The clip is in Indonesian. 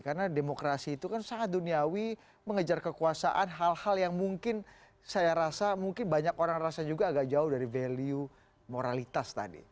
karena demokrasi itu kan sangat duniawi mengejar kekuasaan hal hal yang mungkin saya rasa mungkin banyak orang rasa juga agak jauh dari value moralitas tadi